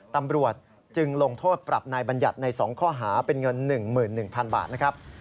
ตำรวจจึงลงโทษปรับนายบัญญัติใน๒ข้อหาเป็นเงิน๑๑๐๐๐บาทนะครับ